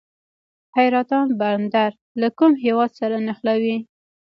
حیرتان بندر له کوم هیواد سره نښلوي؟